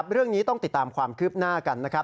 เรื่องนี้ต้องติดตามความคืบหน้ากันนะครับ